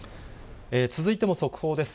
続いても速報です。